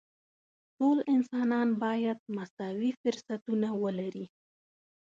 ټول انسانان باید مساوي فرصتونه ولري.